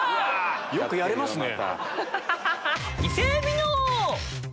よくやれますね。